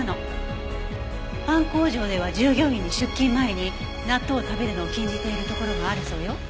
パン工場では従業員に出勤前に納豆を食べるのを禁じているところもあるそうよ。